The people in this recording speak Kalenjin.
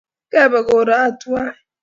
ngebe koro tuwai